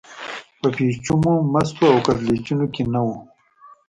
په پېچومو، مستو او کږلېچونو کې نه و.